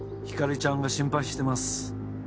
ひかりちゃんが心配してます。